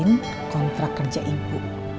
untuk kontrak kerja ibu